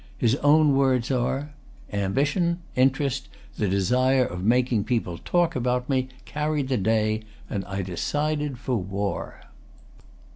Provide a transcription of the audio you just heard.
His own words are: "Ambition, interest, the desire of making people talk about me, carried the day; and I decided for war."